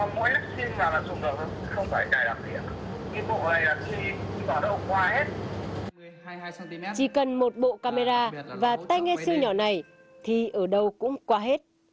nếu anh cần một bộ camera và tay nghe sưu nhỏ này thì ở đâu cũng qua hết